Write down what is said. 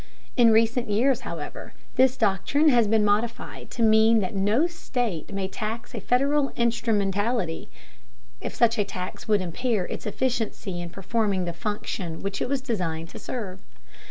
In recent years, however, this doctrine has been modified to mean that no state may tax a federal instrumentality if such a tax would _impair its efficiency in performing the function which it was designed to serve.